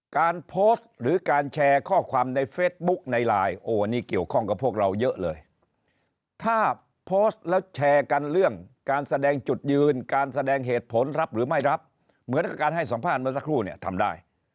การโพสต์หรือการแชร์ข้อความในเฟซบุ๊กในไลน์โอ้นี่เกี่ยวข้องกับพวกเราเยอะเลยถ้าโพสต์แล้วแชร์กันเรื่องการแสดงจุดยืนการแสดงเหตุผลรับหรือไม่รับเหมือนกับการให้สัมภาษณ์เมื่อสักครู่เนี่ยทำได้